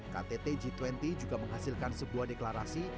ktt g dua puluh juga menghasilkan sebuah deklarasi